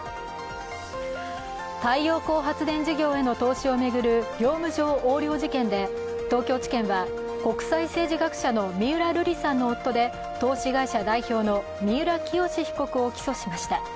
太陽光発電事業への投資を巡る業務上横領事件で東京地検は国際政治学者の三浦瑠麗さんの夫で投資会社代表の三浦清志被告を起訴しました。